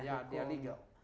ya dia legal